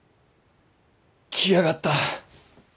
来やがった。